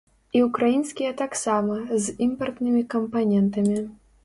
І ўкраінскія таксама, з імпартнымі кампанентамі.